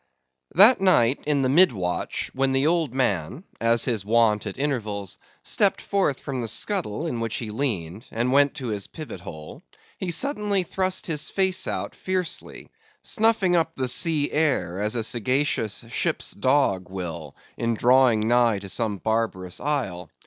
That night, in the mid watch, when the old man—as his wont at intervals—stepped forth from the scuttle in which he leaned, and went to his pivot hole, he suddenly thrust out his face fiercely, snuffing up the sea air as a sagacious ship's dog will, in drawing nigh to some barbarous isle.